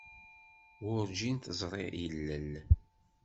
Werǧin teẓri ilel.